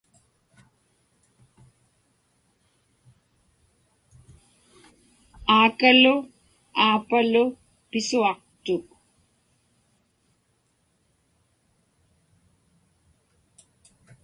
Aakalu aapalu pisuaqtuk.